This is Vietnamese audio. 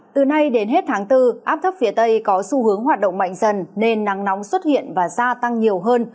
từ nay đến hết tháng bốn áp thấp phía tây có xu hướng hoạt động mạnh dần nên nắng nóng xuất hiện và gia tăng nhiều hơn